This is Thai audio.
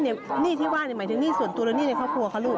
หนี้ที่ว่าหมายถึงหนี้ส่วนตัวและหนี้ในครอบครัวคะลูก